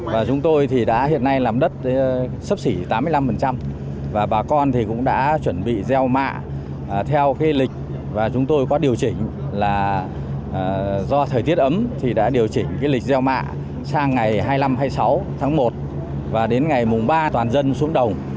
và chúng tôi thì đã hiện nay làm đất sấp xỉ tám mươi năm và bà con thì cũng đã chuẩn bị gieo mạ theo lịch và chúng tôi có điều chỉnh là do thời tiết ấm thì đã điều chỉnh lịch gieo mạ sang ngày hai mươi năm hai mươi sáu tháng một và đến ngày mùng ba toàn dân xuống đồng